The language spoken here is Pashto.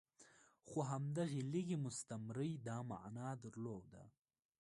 خو همدغې لږې مستمرۍ دا معنی درلوده.